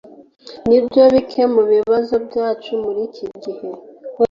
Nibyo bike mubibazo byacu muriki gihe.